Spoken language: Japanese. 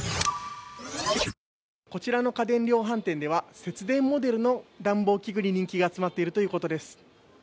こちらの家電量販店では節電モデルの暖房器具に人気が集まっているということです。